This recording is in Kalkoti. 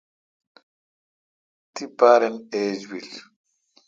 تی پارن ایج بل۔